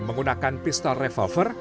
menggunakan pistol revolver